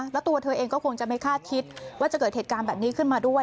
แล้วตัวเธอเองก็คงจะไม่คาดคิดว่าจะเกิดเหตุการณ์แบบนี้ขึ้นมาด้วย